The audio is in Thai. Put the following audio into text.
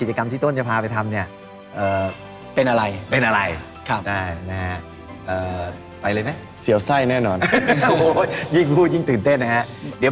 ใช่ผมไม่เคยทำเลย